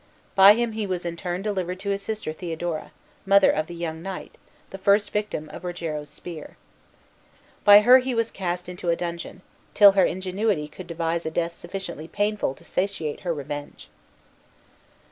By him he was in turn delivered to his sister Theodora, mother of the young knight, the first victim of Rogero's spear. By her he was cast into a dungeon, till her ingenuity could devise a death sufficiently painful to satiate her revenge.